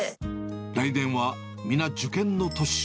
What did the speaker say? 来年は、みな受験の年。